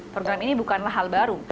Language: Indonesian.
program ini bukanlah hal baru